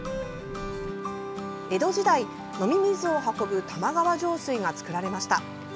江戸時代、飲み水を運ぶ玉川上水が造られました。